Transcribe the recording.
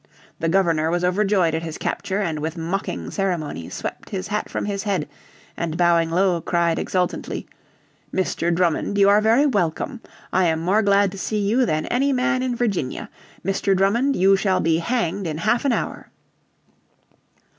The Governor was overjoyed at his capture, and with mocking ceremony swept his hat from his head, and, bowing low, cried exultantly, "Mr. Drummond, you are very welcome. I am more glad to see you than any man in Virginia. Mr. Drummond, you shall be hanged in half an hour."